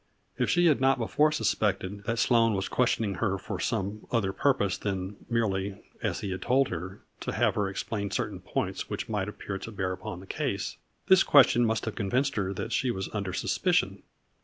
If she had not before suspected A FLURRY IN DIAMONDS. 67 that Sloane was questioning her for some other purpose than merely, as he told her, to have her explain certain points which might appear to bear upon the case, this question must have con vinced her that she was under suspicion.